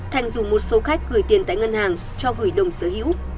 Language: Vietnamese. thành rủ một số khách gửi tiền tại ngân hàng cho gửi đồng sở hữu